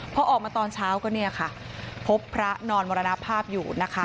พอออกมาตอนเช้าก็เนี่ยค่ะพบพระนอนมรณภาพอยู่นะคะ